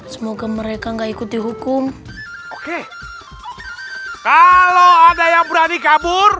sampai jumpa di video selanjutnya